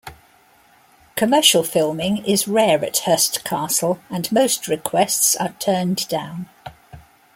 Commercial filming is rare at Hearst Castle and most requests are turned down.